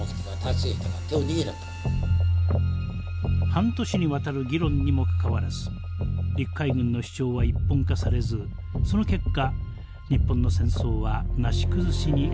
半年にわたる議論にもかかわらず陸海軍の主張は一本化されずその結果日本の戦争はなし崩しに拡大を始めます。